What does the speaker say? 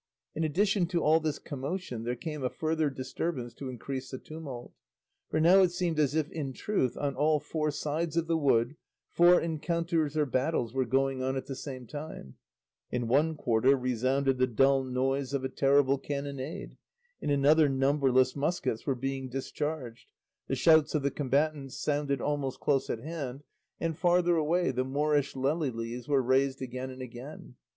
In addition to all this commotion, there came a further disturbance to increase the tumult, for now it seemed as if in truth, on all four sides of the wood, four encounters or battles were going on at the same time; in one quarter resounded the dull noise of a terrible cannonade, in another numberless muskets were being discharged, the shouts of the combatants sounded almost close at hand, and farther away the Moorish lelilies were raised again and again.